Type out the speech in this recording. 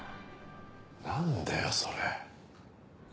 なんだよそれ。